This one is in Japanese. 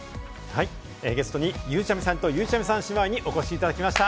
ゲストにゆうちゃみさんとゆいちゃみさん姉妹にお越しいただきました。